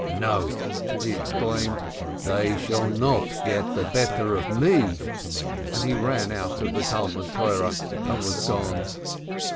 "No!" he exclaimed, "they shall not get the better of me," and he ran out of the Talmud Torah, and was gone.